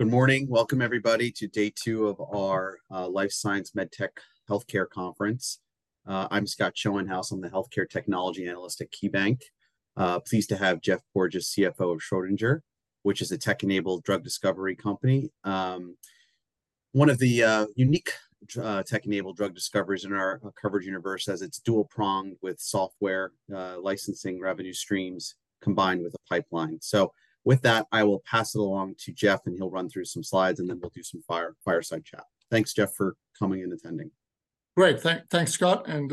Good morning. Welcome, everybody, to day two of our Life Science MedTech Healthcare Conference. I'm Scott Schoenhaus. I'm the Healthcare Technology Analyst at KeyBanc. Pleased to have Geoff Porges, CFO of Schrödinger, which is a tech-enabled drug discovery company. One of the unique tech-enabled drug discoveries in our coverage universe is it's dual-pronged with software licensing revenue streams combined with a pipeline. So with that, I will pass it along to Geoff, and he'll run through some slides, and then we'll do some fireside chat. Thanks, Geoff, for coming and attending. Great. Thanks, Scott. And,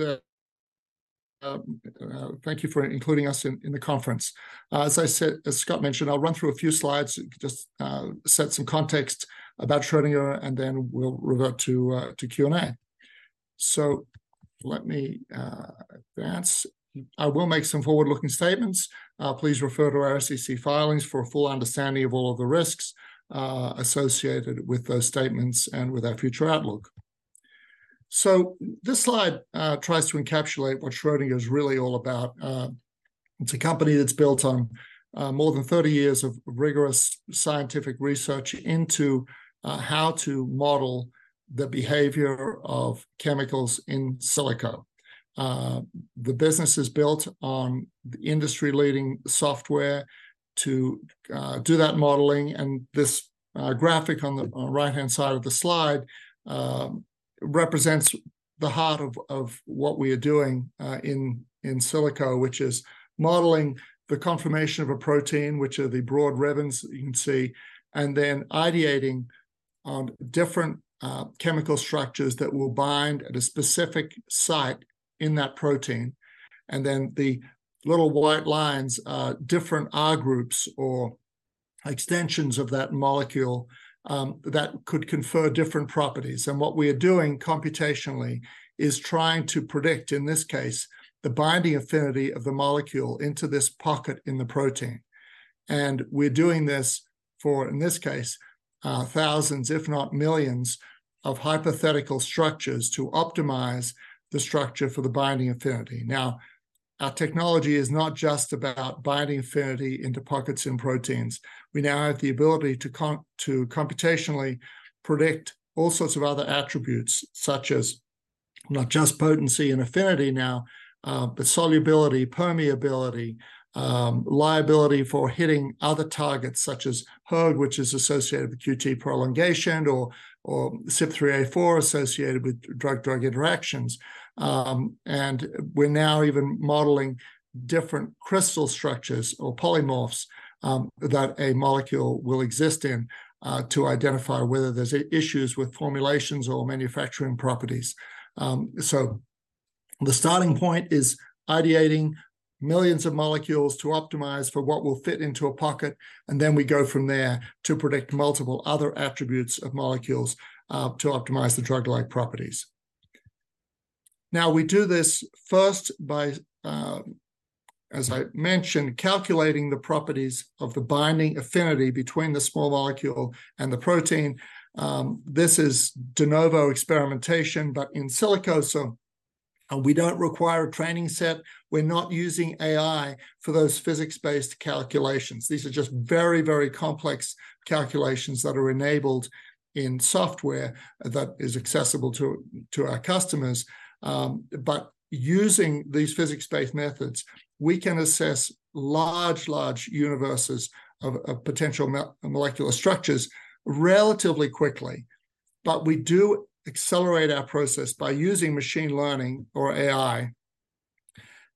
thank you for including us in the conference. As I said, as Scott mentioned, I'll run through a few slides, just set some context about Schrödinger, and then we'll revert to Q&A. So let me advance. I will make some forward-looking statements. Please refer to our SEC filings for a full understanding of all of the risks associated with those statements and with our future outlook. So this slide tries to encapsulate what Schrödinger is really all about. It's a company that's built on more than 30 years of rigorous scientific research into how to model the behavior of chemicals in silico. The business is built on the industry-leading software to do that modeling. This graphic on the right-hand side of the slide represents the heart of what we are doing in silico, which is modeling the conformation of a protein, which are the broad ribbons that you can see, and then ideating on different chemical structures that will bind at a specific site in that protein. And then the little white lines, different R groups or extensions of that molecule, that could confer different properties. And what we are doing computationally is trying to predict, in this case, the binding affinity of the molecule into this pocket in the protein. And we're doing this for, in this case, thousands, if not millions, of hypothetical structures to optimize the structure for the binding affinity. Now, our technology is not just about binding affinity into pockets in proteins. We now have the ability to computationally predict all sorts of other attributes, such as not just potency and affinity now, but solubility, permeability, liability for hitting other targets, such as hERG, which is associated with QT prolongation, or CYP3A4 associated with drug-drug interactions. We're now even modeling different crystal structures or polymorphs that a molecule will exist in, to identify whether there's issues with formulations or manufacturing properties. The starting point is ideating millions of molecules to optimize for what will fit into a pocket. Then we go from there to predict multiple other attributes of molecules, to optimize the drug-like properties. Now, we do this first by, as I mentioned, calculating the properties of the binding affinity between the small molecule and the protein. This is de novo experimentation, but in silico. So we don't require a training set. We're not using AI for those physics-based calculations. These are just very, very complex calculations that are enabled in software that is accessible to, to our customers. But using these physics-based methods, we can assess large, large universes of, of potential molecular structures relatively quickly. But we do accelerate our process by using machine learning or AI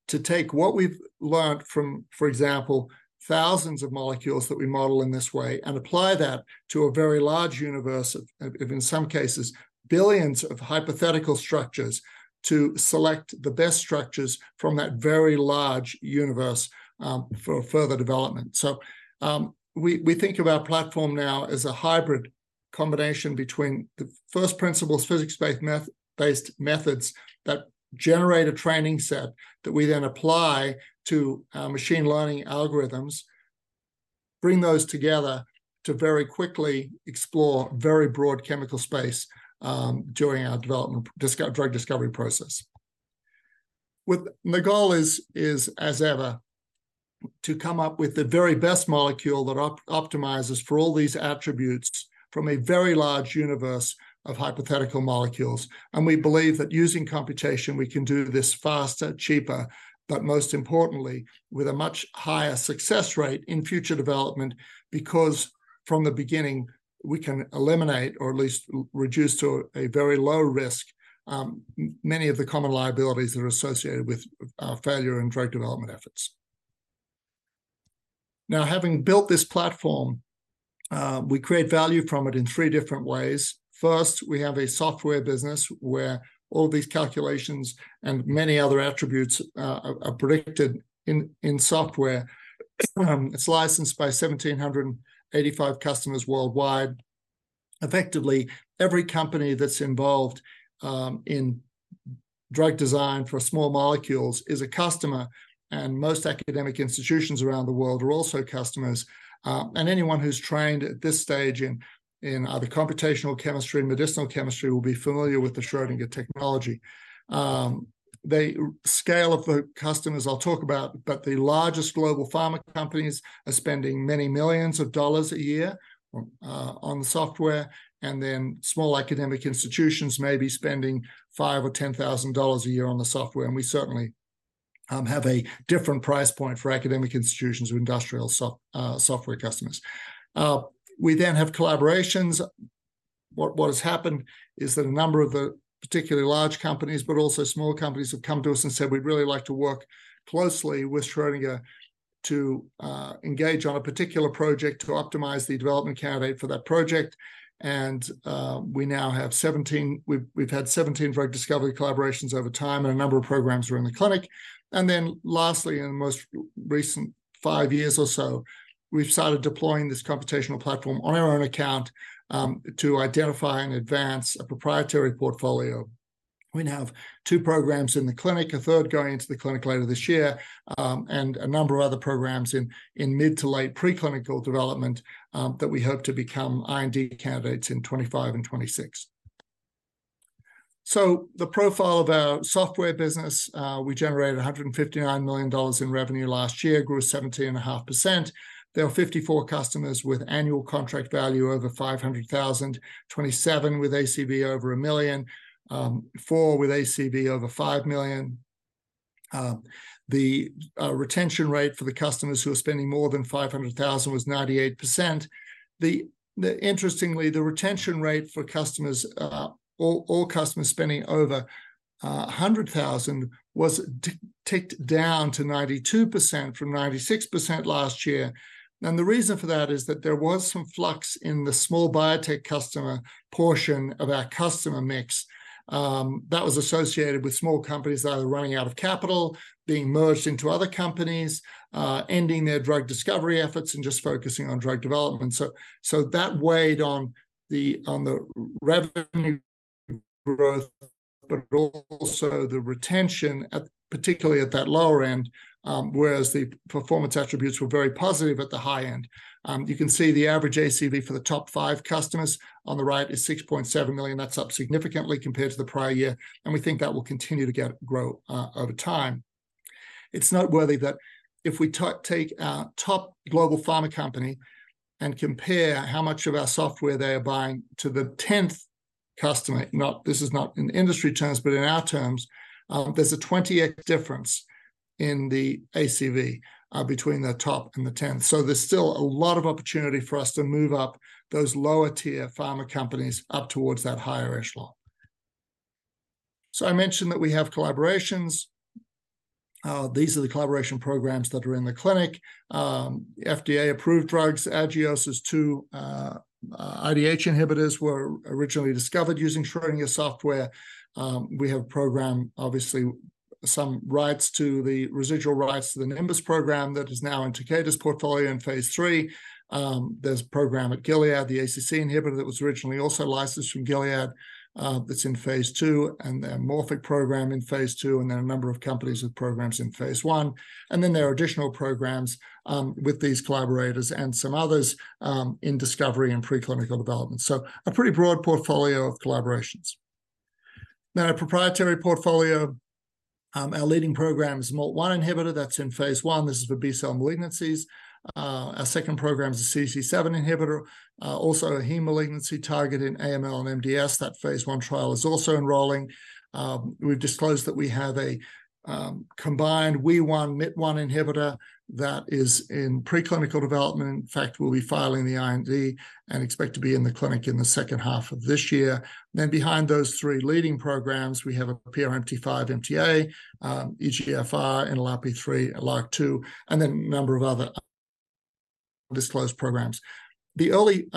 to take what we've learned from, for example, thousands of molecules that we model in this way and apply that to a very large universe of, of, in some cases, billions of hypothetical structures to select the best structures from that very large universe, for further development. So, we think of our platform now as a hybrid combination between the first principles physics-based methods that generate a training set that we then apply to machine learning algorithms, bring those together to very quickly explore very broad chemical space during our development drug discovery process. With the goal, as ever, to come up with the very best molecule that optimizes for all these attributes from a very large universe of hypothetical molecules. And we believe that using computation, we can do this faster, cheaper, but most importantly, with a much higher success rate in future development, because from the beginning, we can eliminate or at least reduce to a very low risk many of the common liabilities that are associated with failure in drug development efforts. Now, having built this platform, we create value from it in three different ways. First, we have a software business where all these calculations and many other attributes are predicted in software. It's licensed by 1,785 customers worldwide. Effectively, every company that's involved in drug design for small molecules is a customer, and most academic institutions around the world are also customers. Anyone who's trained at this stage in either computational chemistry and medicinal chemistry will be familiar with the Schrödinger technology. The scale of the customers I'll talk about, but the largest global pharma companies are spending many millions of dollars a year on the software. And then small academic institutions may be spending $5,000 or $10,000 a year on the software. And we certainly have a different price point for academic institutions or industrial software customers. We then have collaborations. What, what has happened is that a number of the particularly large companies, but also small companies, have come to us and said, we'd really like to work closely with Schrödinger to, engage on a particular project to optimize the development candidate for that project. And, we now have 17. We've, we've had 17 drug discovery collaborations over time, and a number of programs are in the clinic. And then lastly, in the most recent five years or so, we've started deploying this computational platform on our own account, to identify and advance a proprietary portfolio. We now have two programs in the clinic, a third going into the clinic later this year, and a number of other programs in, in mid to late preclinical development, that we hope to become IND candidates in 2025 and 2026. So the profile of our software business, we generated $159 million in revenue last year, grew 17.5%. There are 54 customers with annual contract value over $500,000, 27 with ACV over $1 million, four with ACV over $5 million. The retention rate for the customers who are spending more than $500,000 was 98%. Interestingly, the retention rate for all customers spending over $100,000 was ticked down to 92% from 96% last year. And the reason for that is that there was some flux in the small biotech customer portion of our customer mix that was associated with small companies either running out of capital, being merged into other companies, ending their drug discovery efforts and just focusing on drug development. So, that weighed on the, on the revenue growth, but also the retention, particularly at that lower end, whereas the performance attributes were very positive at the high end. You can see the average ACV for the top five customers on the right is $6.7 million. That's up significantly compared to the prior year. And we think that will continue to grow, over time. It's noteworthy that if we take our top global pharma company and compare how much of our software they are buying to the 10th customer, not this is not in industry terms, but in our terms, there's a 20x difference in the ACV, between the top and the 10th. So there's still a lot of opportunity for us to move up those lower tier pharma companies up towards that higher echelon. So I mentioned that we have collaborations. These are the collaboration programs that are in the clinic. FDA approved drugs. Agios two IDH inhibitors were originally discovered using Schrödinger software. We have a program, obviously, some rights to the residual rights to the Nimbus program that is now in Takeda's portfolio in phase III. There's a program at Gilead, the ACC inhibitor that was originally also licensed from Gilead, that's in phase II, and their Morphic program in phase II, and then a number of companies with programs in phase I. Then there are additional programs, with these collaborators and some others, in discovery and preclinical development. So a pretty broad portfolio of collaborations. Then a proprietary portfolio. Our leading program is MALT1 inhibitor. That's in phase I. This is for B-cell malignancies. Our second program is a CDC7 inhibitor, also a hematologic malignancy target in AML and MDS. That phase I trial is also enrolling We've disclosed that we have a combined Wee1/Myt1 inhibitor that is in preclinical development. In fact, we'll be filing the IND and expect to be in the clinic in the second half of this year. Then behind those three leading programs, we have a PRMT5/MTA, EGFR, NLRP3, LRRK2, and then a number of other disclosed programs. The early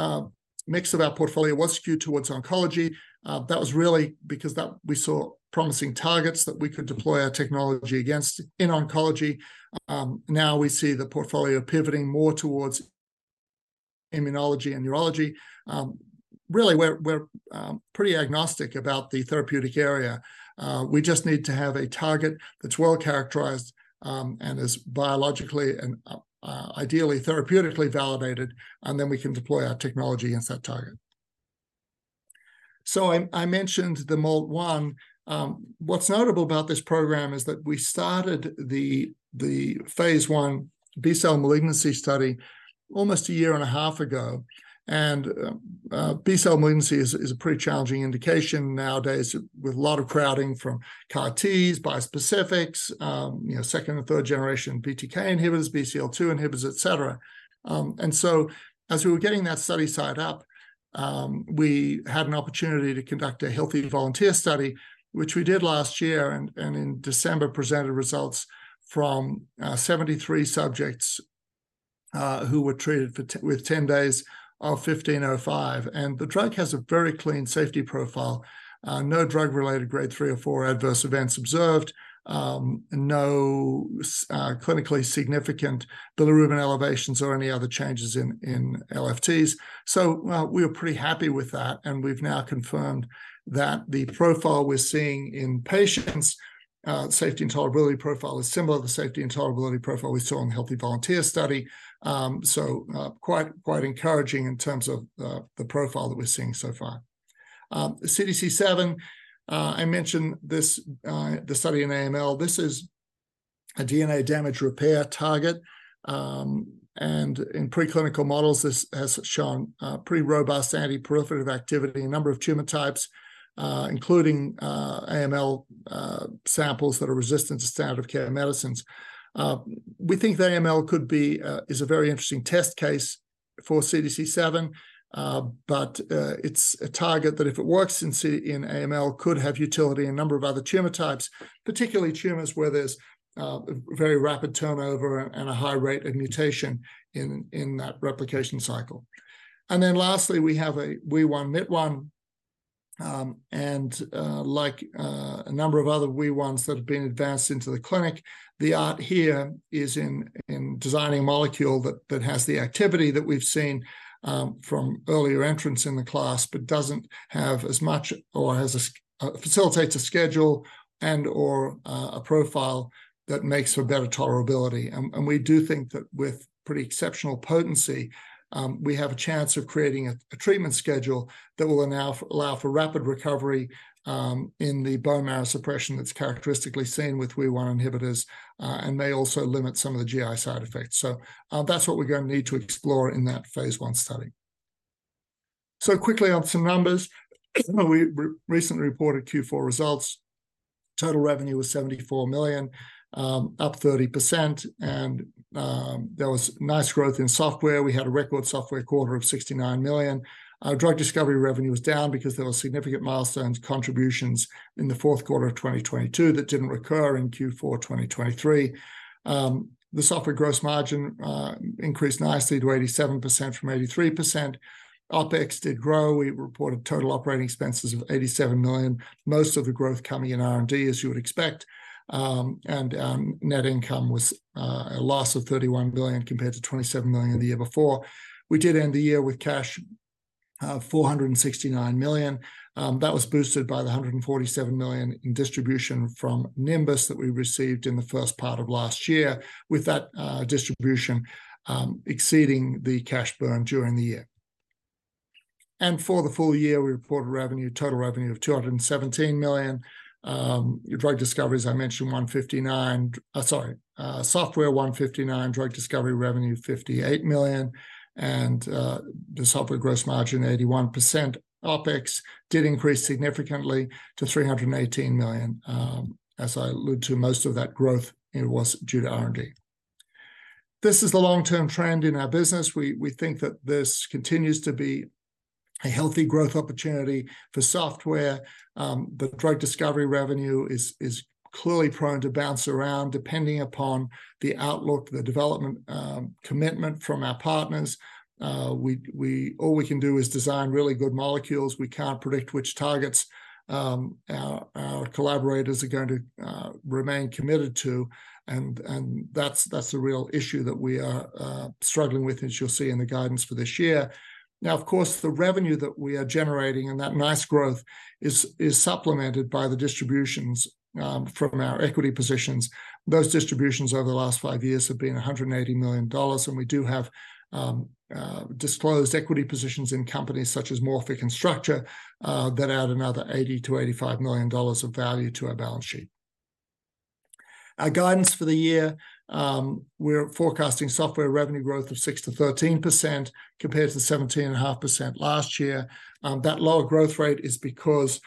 mix of our portfolio was skewed towards oncology. That was really because that we saw promising targets that we could deploy our technology against in oncology. Now we see the portfolio pivoting more towards immunology and neurology. Really, we're pretty agnostic about the therapeutic area. We just need to have a target that's well characterized, and is biologically and, ideally therapeutically validated. Then we can deploy our technology against that target. So I mentioned the MALT1. What's notable about this program is that we started the phase I B-cell malignancy study almost a year and a half ago. B-cell malignancy is a pretty challenging indication nowadays with a lot of crowding from CAR-Ts, bispecifics, you know, second and third generation BTK inhibitors, BCL2 inhibitors, etc. And so as we were getting that study site up, we had an opportunity to conduct a healthy volunteer study, which we did last year and in December presented results from 73 subjects who were treated for with 10 days of 1505. And the drug has a very clean safety profile. No drug-related grade 3 or 4 adverse events observed. No clinically significant bilirubin elevations or any other changes in LFTs. So, we were pretty happy with that. And we've now confirmed that the profile we're seeing in patients, safety and tolerability profile, is similar to the safety and tolerability profile we saw in the healthy volunteer study. So, quite, quite encouraging in terms of the profile that we're seeing so far. CDC7, I mentioned this, the study in AML. This is a DNA damage repair target. And in preclinical models, this has shown pretty robust antiproliferative activity, a number of tumor types, including AML, samples that are resistant to standard of care medicines. We think that AML could be, is a very interesting test case for CDC7. But it's a target that if it works in AML, could have utility in a number of other tumor types, particularly tumors where there's very rapid turnover and a high rate of mutation in that replication cycle. And then lastly, we have a Wee1/Myt1. Like, a number of other Wee1s that have been advanced into the clinic, the art here is in designing a molecule that has the activity that we've seen from earlier entrants in the class, but doesn't have as much or has a facilitates a schedule and/or a profile that makes for better tolerability. We do think that with pretty exceptional potency, we have a chance of creating a treatment schedule that will allow for rapid recovery in the bone marrow suppression that's characteristically seen with Wee1 inhibitors, and may also limit some of the GI side effects. That's what we're going to need to explore in that phase I study. Quickly on some numbers, we recently reported Q4 results. Total revenue was $74 million, up 30%. There was nice growth in software. We had a record software quarter of $69 million. Our drug discovery revenue was down because there were significant milestones contributions in the fourth quarter of 2022 that didn't recur in Q4 2023. The software gross margin increased nicely to 87% from 83%. OpEx did grow. We reported total operating expenses of $87 million, most of the growth coming in R&D, as you would expect. Net income was a loss of $31 million compared to $27 million the year before. We did end the year with cash $469 million. That was boosted by the $147 million in distribution from Nimbus that we received in the first part of last year, with that distribution exceeding the cash burn during the year. And for the full year, we reported total revenue of $217 million. Your drug discoveries, I mentioned $159. Sorry. Software $159, drug discovery revenue $58 million. The software gross margin, 81%. OpEx did increase significantly to $318 million. As I alluded to, most of that growth, it was due to R&D. This is the long-term trend in our business. We, we think that this continues to be a healthy growth opportunity for software. The drug discovery revenue is, is clearly prone to bounce around depending upon the outlook, the development, commitment from our partners. We, we all we can do is design really good molecules. We can't predict which targets, our, our collaborators are going to, remain committed to. And, and that's, that's a real issue that we are, struggling with, as you'll see in the guidance for this year. Now, of course, the revenue that we are generating and that nice growth is, is supplemented by the distributions, from our equity positions. Those distributions over the last five years have been $180 million, and we do have disclosed equity positions in companies such as Morphic and Structure that add another $80-$85 million of value to our balance sheet. Our guidance for the year, we're forecasting software revenue growth of 6%-13% compared to the 17.5% last year. That lower growth rate is because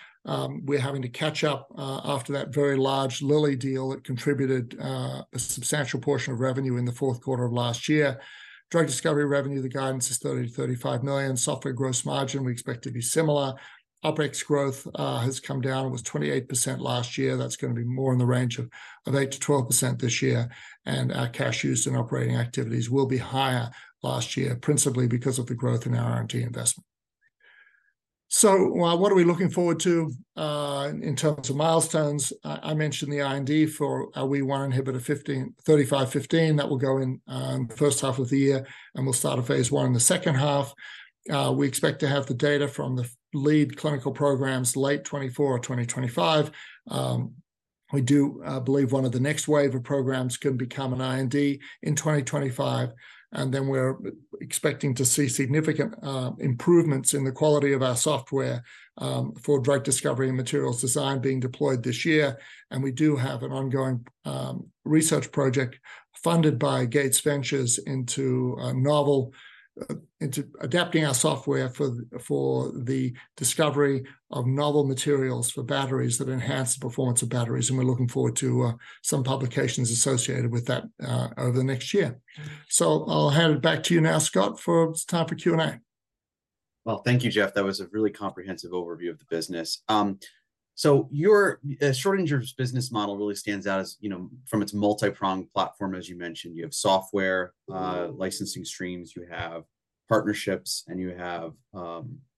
we're having to catch up after that very large Lilly deal that contributed a substantial portion of revenue in the fourth quarter of last year. Drug discovery revenue, the guidance is $30-$35 million. Software gross margin, we expect to be similar. OpEx growth has come down. It was 28% last year. That's going to be more in the range of 8%-12% this year. Our cash used in operating activities will be higher last year, principally because of the growth in our R&D investment. So what are we looking forward to in terms of milestones? I mentioned the IND for a Wee1 inhibitor, 3515, that will go in the first half of the year and we'll start a phase I in the second half. We expect to have the data from the lead clinical programs late 2024 or 2025. We do believe one of the next wave of programs can become an IND in 2025. And then we're expecting to see significant improvements in the quality of our software for drug discovery and materials design being deployed this year. And we do have an ongoing research project funded by Gates Ventures into novel, into adapting our software for the discovery of novel materials for batteries that enhance the performance of batteries. We're looking forward to some publications associated with that over the next year. So I'll hand it back to you now, Scott, for time for Q&A. Well, thank you, Geoff. That was a really comprehensive overview of the business. So your Schrödinger's business model really stands out as, you know, from its multi-pronged platform. As you mentioned, you have software, licensing streams, you have partnerships, and you have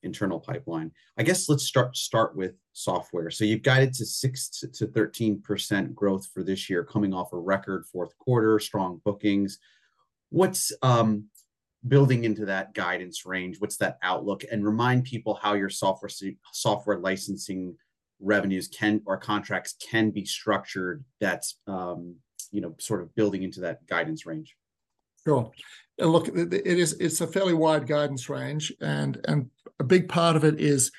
internal pipeline. I guess let's start with software. So you've guided to 6%-13% growth for this year, coming off a record fourth quarter, strong bookings. What's building into that guidance range? What's that outlook? And remind people how your software licensing revenues can or contracts can be structured. That's, you know, sort of building into that guidance range. Sure. Look, it is, it's a fairly wide guidance range. A big part of it is,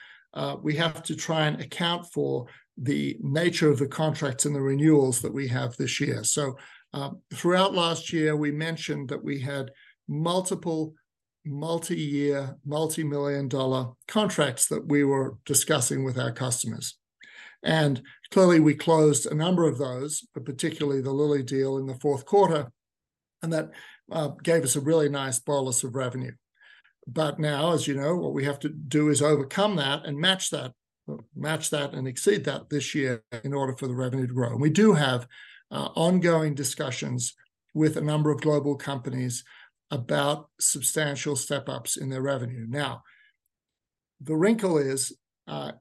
we have to try and account for the nature of the contracts and the renewals that we have this year. So, throughout last year, we mentioned that we had multiple, multi-year, multi-million-dollar contracts that we were discussing with our customers. And clearly we closed a number of those, but particularly the Lilly deal in the fourth quarter. And that gave us a really nice bonus of revenue. But now, as you know, what we have to do is overcome that and match that, match that and exceed that this year in order for the revenue to grow. And we do have ongoing discussions with a number of global companies about substantial step-ups in their revenue. Now, the wrinkle is,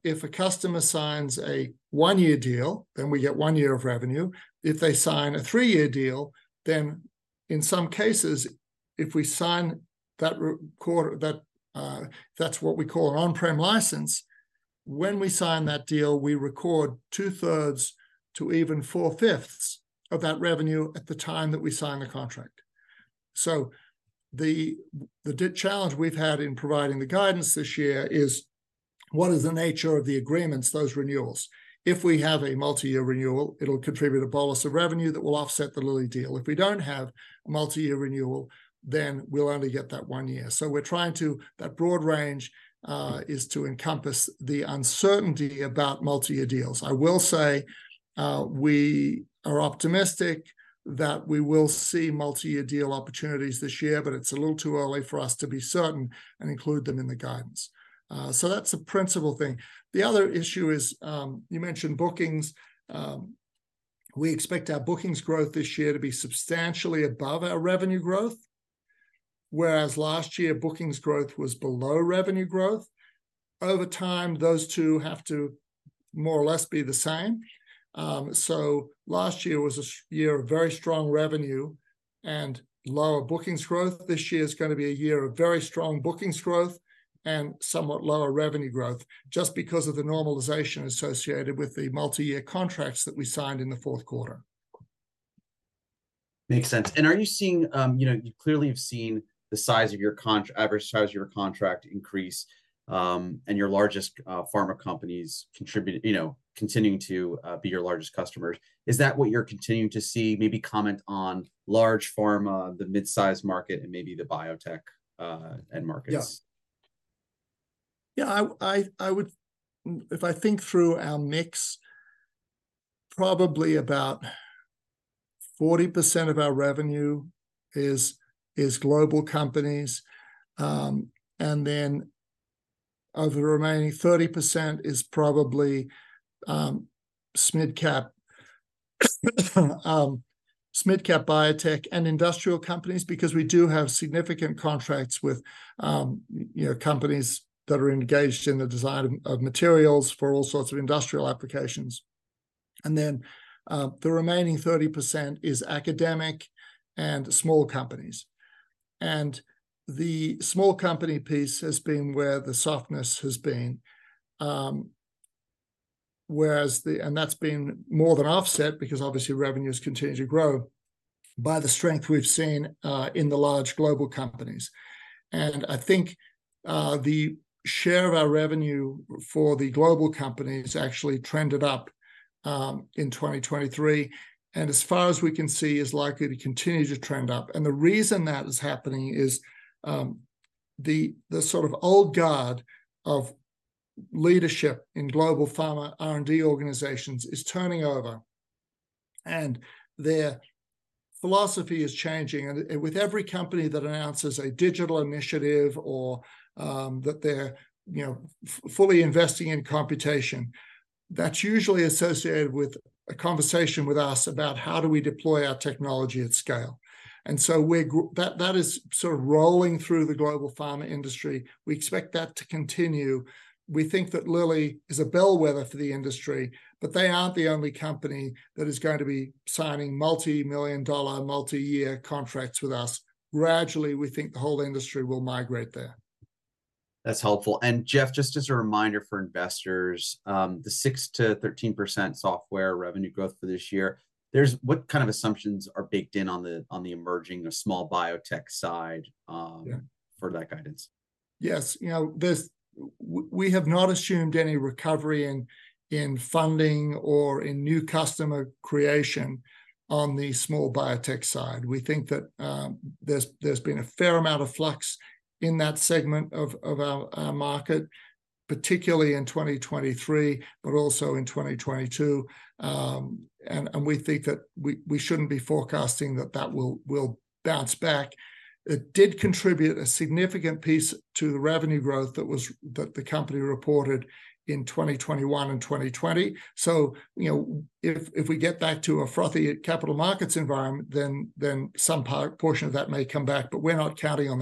if a customer signs a one-year deal, then we get one year of revenue. If they sign a three-year deal, then in some cases, if we sign that quarter, that's what we call an on-prem license. When we sign that deal, we record two-thirds to even four-fifths of that revenue at the time that we sign the contract. So the challenge we've had in providing the guidance this year is what is the nature of the agreements, those renewals? If we have a multi-year renewal, it'll contribute a bonus of revenue that will offset the Lilly deal. If we don't have a multi-year renewal, then we'll only get that one year. So we're trying to, that broad range, is to encompass the uncertainty about multi-year deals. I will say, we are optimistic that we will see multi-year deal opportunities this year, but it's a little too early for us to be certain and include them in the guidance. So that's a principal thing. The other issue is, you mentioned bookings. We expect our bookings growth this year to be substantially above our revenue growth, whereas last year bookings growth was below revenue growth. Over time, those two have to more or less be the same. So last year was a year of very strong revenue and lower bookings growth. This year is going to be a year of very strong bookings growth and somewhat lower revenue growth just because of the normalization associated with the multi-year contracts that we signed in the fourth quarter. Makes sense. Are you seeing, you know, you clearly have seen the size of your contract, average size of your contract increase, and your largest, pharma companies contributing, you know, continuing to, be your largest customers? Is that what you're continuing to see? Maybe comment on large pharma, the midsize market, and maybe the biotech, and markets. Yeah. Yeah, I would, if I think through our mix, probably about 40% of our revenue is global companies. And then over the remaining 30% is probably SMID cap, SMID cap biotech and industrial companies, because we do have significant contracts with, you know, companies that are engaged in the design of materials for all sorts of industrial applications. And then, the remaining 30% is academic and small companies. And the small company piece has been where the softness has been, whereas, and that's been more than offset because obviously revenues continue to grow by the strength we've seen in the large global companies. And I think, the share of our revenue for the global companies actually trended up in 2023. As far as we can see, is likely to continue to trend up. The reason that is happening is the sort of old guard of leadership in global pharma R&D organizations is turning over and their philosophy is changing. With every company that announces a digital initiative or that they're, you know, fully investing in computation, that's usually associated with a conversation with us about how do we deploy our technology at scale? And so, that is sort of rolling through the global pharma industry. We expect that to continue. We think that Lilly is a bellwether for the industry, but they aren't the only company that is going to be signing multi-million-dollar, multi-year contracts with us. Gradually, we think the whole industry will migrate there. That's helpful, and Geoff, just as a reminder for investors, the 6%-13% software revenue growth for this year, what kind of assumptions are baked in on the, on the emerging or small biotech side, for that guidance? Yes. You know, there we have not assumed any recovery in funding or in new customer creation on the small biotech side. We think that, there has been a fair amount of flux in that segment of our market, particularly in 2023, but also in 2022, and we think that we shouldn't be forecasting that that will bounce back. It did contribute a significant piece to the revenue growth that the company reported in 2021 and 2020. So, you know, if we get back to a frothy capital markets environment, then some portion of that may come back. But we're not counting on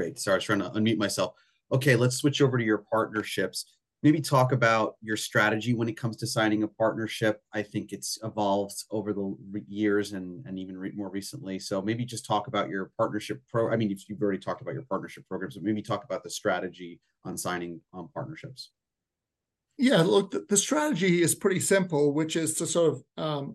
that with the guidance. Great. Sorry, I was trying to unmute myself. Okay, let's switch over to your partnerships. Maybe talk about your strategy when it comes to signing a partnership. I think it's evolved over the years and, and even more recently. So maybe just talk about your partnership. I mean, you've already talked about your partnership programs, but maybe talk about the strategy on signing on partnerships. Yeah, look, the strategy is pretty simple, which is to sort of,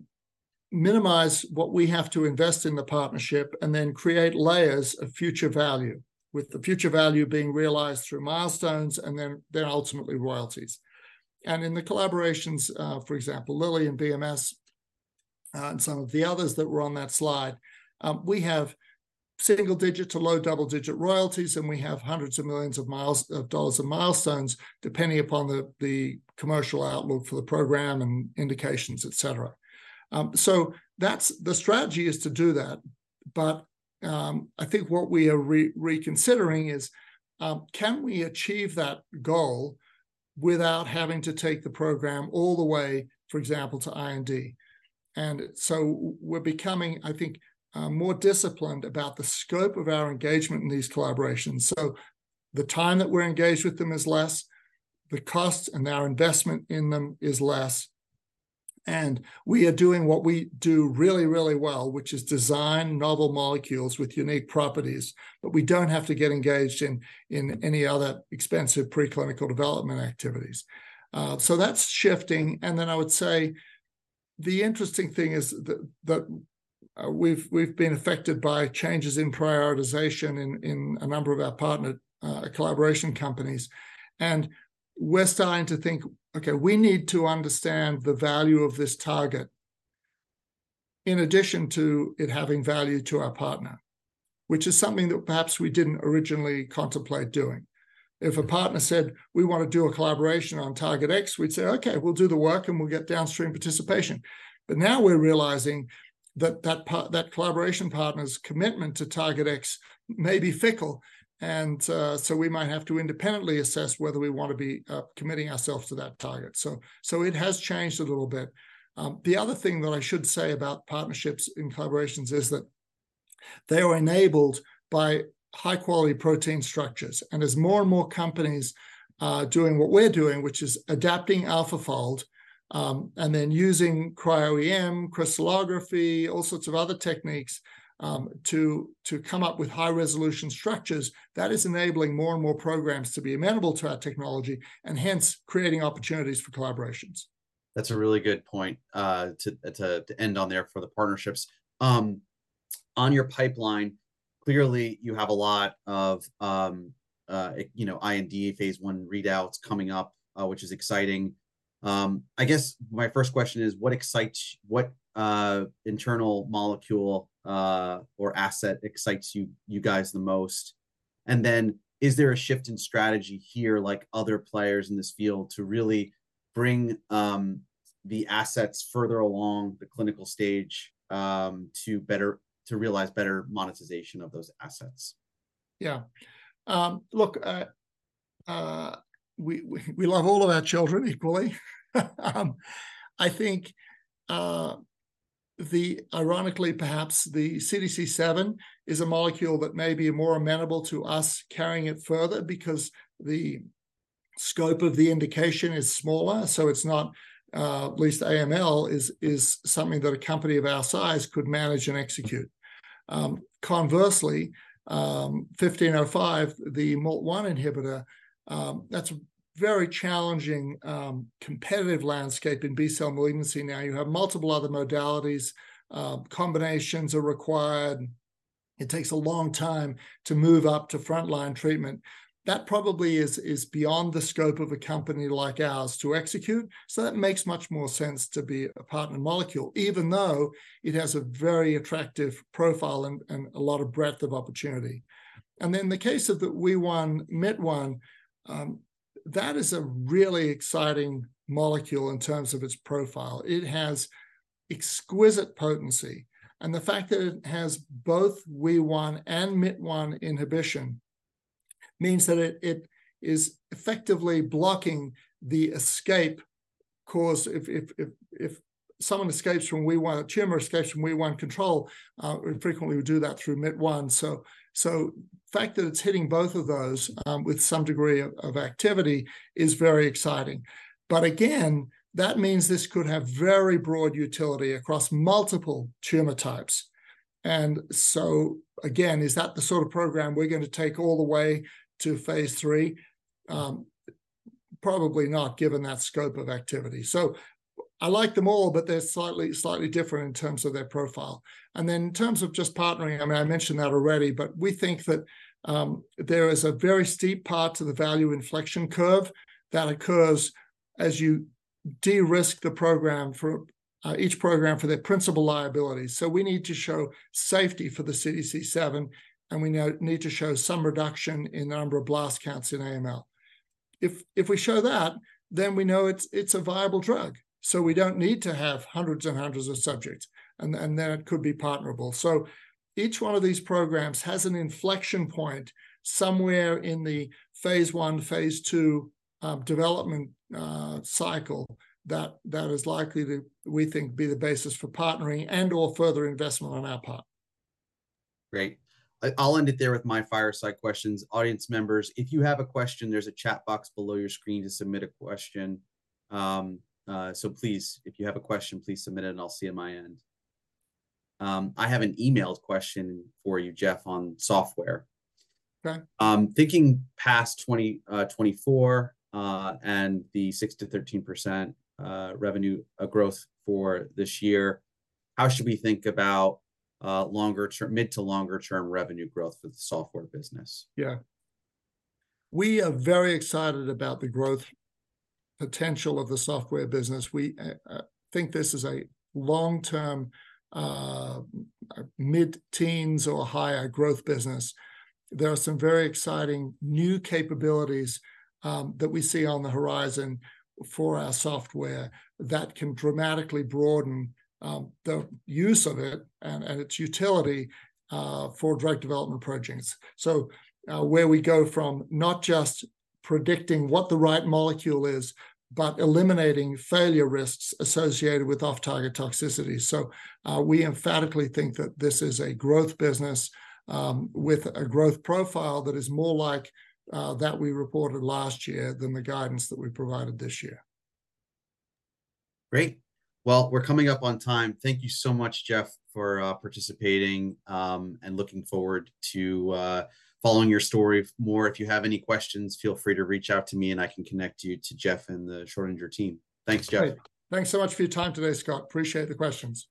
minimize what we have to invest in the partnership and then create layers of future value, with the future value being realized through milestones and then, then ultimately royalties. In the collaborations, for example, Lilly and BMS, and some of the others that were on that slide, we have single-digit to low double-digit royalties, and we have hundreds of millions of dollars of milestones, depending upon the commercial outlook for the program and indications, etc., so that's the strategy is to do that. But I think what we are reconsidering is, can we achieve that goal without having to take the program all the way, for example, to IND. And so we're becoming, I think, more disciplined about the scope of our engagement in these collaborations. So the time that we're engaged with them is less, the costs and our investment in them is less. And we are doing what we do really, really well, which is design novel molecules with unique properties, but we don't have to get engaged in, in any other expensive preclinical development activities. So that's shifting. And then I would say the interesting thing is that, that, we've, we've been affected by changes in prioritization in, in a number of our partner, collaboration companies. And we're starting to think, okay, we need to understand the value of this target. In addition to it having value to our partner, which is something that perhaps we didn't originally contemplate doing. If a partner said, we want to do a collaboration on target X, we'd say, okay, we'll do the work and we'll get downstream participation. But now we're realizing that that part, that collaboration partner's commitment to target X may be fickle. So we might have to independently assess whether we want to be committing ourselves to that target. So it has changed a little bit. The other thing that I should say about partnerships and collaborations is that they are enabled by high quality protein structures. As more and more companies doing what we're doing, which is adapting AlphaFold and then using cryo-EM, crystallography, all sorts of other techniques to come up with high resolution structures, that is enabling more and more programs to be amenable to our technology and hence creating opportunities for collaborations. That's a really good point to end on there for the partnerships. On your pipeline, clearly you have a lot of, you know, IND phase I readouts coming up, which is exciting. I guess my first question is, what excites you? What internal molecule or asset excites you guys the most? And then is there a shift in strategy here, like other players in this field, to really bring the assets further along the clinical stage, to better realize better monetization of those assets? Yeah. Look, we love all of our children equally. I think, ironically, perhaps the CDC7 is a molecule that may be more amenable to us carrying it further because the scope of the indication is smaller. So it's not; at least AML is something that a company of our size could manage and execute. Conversely, 1505, the MALT1 inhibitor, that's a very challenging competitive landscape in B-cell malignancy. Now you have multiple other modalities, combinations are required. It takes a long time to move up to frontline treatment. That probably is beyond the scope of a company like ours to execute. So that makes much more sense to be a partner molecule, even though it has a very attractive profile and a lot of breadth of opportunity. And then the case of the Wee1/Myt1, that is a really exciting molecule in terms of its profile. It has exquisite potency. And the fact that it has both Wee1 and Myt1 inhibition means that it is effectively blocking the escape clause. If someone escapes from Wee1, a tumor escapes from Wee1 control, we frequently would do that through Myt1. So the fact that it's hitting both of those, with some degree of activity is very exciting. But again, that means this could have very broad utility across multiple tumor types. And so again, is that the sort of program we're going to take all the way to phase III? Probably not given that scope of activity. So I like them all, but they're slightly, slightly different in terms of their profile. And then in terms of just partnering, I mean, I mentioned that already, but we think that there is a very steep part to the value inflection curve that occurs as you de-risk the program for each program for their principal liabilities. So we need to show safety for the CDC7, and we now need to show some reduction in the number of blast counts in AML. If we show that, then we know it's a viable drug. So we don't need to have hundreds and hundreds of subjects, and then it could be partnerable. So each one of these programs has an inflection point somewhere in the phase I, phase II development cycle that is likely to, we think, be the basis for partnering and/or further investment on our part. Great. I'll end it there with my fireside questions. Audience members, if you have a question, there's a chat box below your screen to submit a question. So please, if you have a question, please submit it and I'll see it in my end. I have an emailed question for you, Geoff, on software. Okay. Thinking past 2024, and the 6%-13% revenue growth for this year, how should we think about longer term, mid to longer term revenue growth for the software business? Yeah. We are very excited about the growth potential of the software business. We think this is a long-term, mid-teens or higher growth business. There are some very exciting new capabilities that we see on the horizon for our software that can dramatically broaden the use of it and its utility for drug development projects. So, where we go from not just predicting what the right molecule is, but eliminating failure risks associated with off-target toxicity. So, we emphatically think that this is a growth business, with a growth profile that is more like that we reported last year than the guidance that we provided this year. Great. Well, we're coming up on time. Thank you so much, Geoff, for participating and looking forward to following your story more. If you have any questions, feel free to reach out to me and I can connect you to Geoff and the Schrödinger team. Thanks, Geoff. Thanks so much for your time today, Scott. Appreciate the questions.